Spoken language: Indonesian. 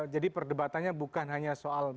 jadi perdebatannya bukan hanya soal bagaimana